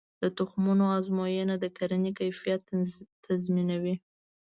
د تخمونو ازموینه د کرنې کیفیت تضمینوي.